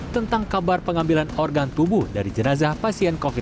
tentang kabar pengambilan organ tubuh dari jenazah pasien covid sembilan belas